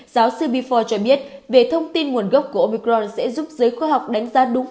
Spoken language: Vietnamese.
giáo sư bi four cho biết về thông tin nguồn gốc của omicron sẽ giúp giới khoa học đánh giá đúng